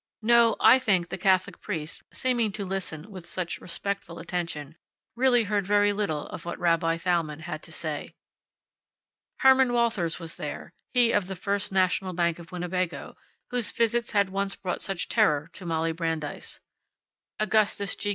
No, I think the Catholic priest, seeming to listen with such respectful attention, really heard very little of what Rabbi Thalmann had to say. Herman Walthers was there, he of the First National Bank of Winnebago, whose visits had once brought such terror to Molly Brandeis. Augustus G.